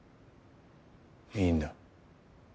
いいんだ。